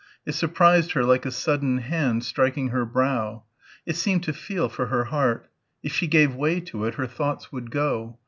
It surprised her like a sudden hand stroking her brow. It seemed to feel for her heart. If she gave way to it her thoughts would go.